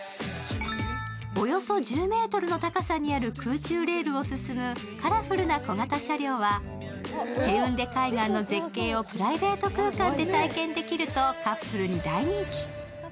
およそ１０ｍの高さにある空中レールを進むカラフルな小型車両はヘウンデ海岸の絶景をプライベート空間で体験できると、カップルに大人気。